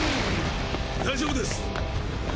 大丈夫です！